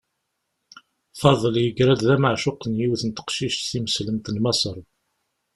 Faḍel yegra-d d ameεcuq n yiwet n teqcict timeslemt n Maṣer.